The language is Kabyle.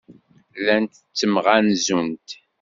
Llant ttemɣanzunt.